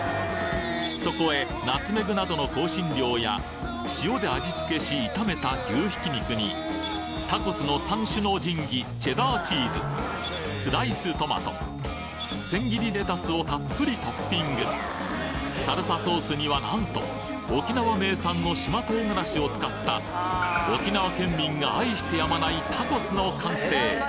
そこへナツメグなどの香辛料や塩で味付けし炒めた牛ひき肉にタコスの三種の神器チェダーチーズスライストマト千切りレタスをたっぷりトッピングサルサソースにはなんと沖縄名産の島唐辛子を使った沖縄県民が愛してやまないタコスの完成